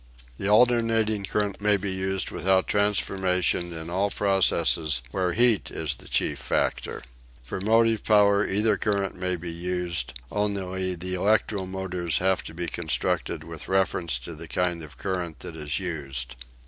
The alternating current may be used without transformation in all processes where heat is the chief factor. For motive power either current may be used, only the electromotors have to be constructed with reference to the kind of current that is used.